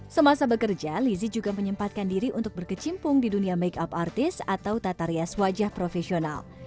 semasa bekerja lizzie juga menyempatkan diri untuk berkecimpung di dunia make up artist atau tata rias wajah profesional